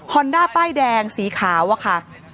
อนด้าป้ายแดงสีขาวอะค่ะ